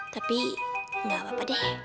tapi gak apa apa deh